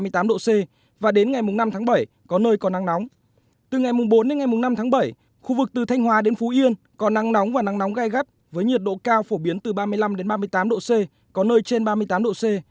từ ngày bốn đến ngày năm tháng bảy khu vực từ thanh hóa đến phú yên có nắng nóng và nắng nóng gai gắt với nhiệt độ cao phổ biến từ ba mươi năm ba mươi tám độ c có nơi trên ba mươi tám độ c